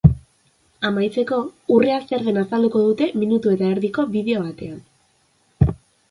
Amaitzeko, urrea zer den azalduko dute minutu eta erdiko bideo batean.